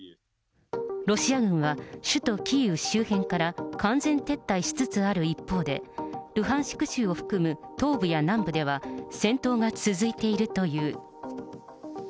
ロシア軍は、首都キーウ周辺から完全撤退しつつある一方で、ルハンシク州を含む東部や南部では、戦闘が続いているという。